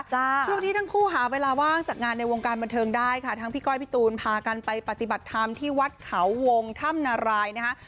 ช่วงนี้ทั้งคู่หาเวลาว่างจากงานในวงการบันเทิงได้ค่ะทั้งพี่ก้อยพี่ตูนพากันไปปฏิบัติธรรมที่วัดเขาวงถ้ำนารายนะคะ